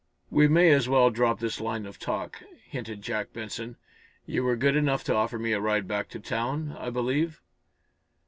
"We may as well drop this line of talk," hinted Jack Benson. "You were good enough to offer me a ride back to town, I believe?"